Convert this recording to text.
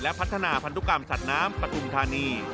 และพัฒนาพันธุกรรมสัตว์น้ำปฐุมธานี